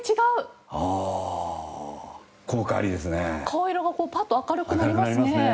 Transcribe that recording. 顔色がパッと明るくなりますね。